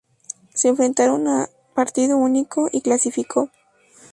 Se enfrentaron a partido único y clasificó.